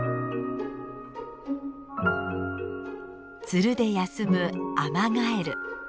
ツルで休むアマガエル。